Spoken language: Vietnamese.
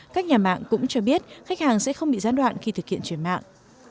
các nhà mạng cũng cho biết khách hàng sẽ không bị gián đoạn khi thực hiện chuyển mạng